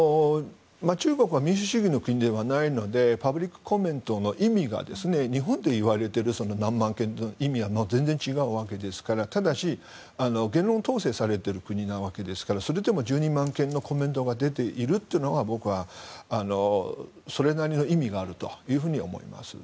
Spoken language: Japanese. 中国は民主主義の国ではないのでパブリックコメントの意味が日本でいわれている何万件の意味とは全然違うわけですからただし、言論統制されている国なわけですからそれでも１２万件のコメントが出ているというのは僕はそれなりの意味があるとは思います。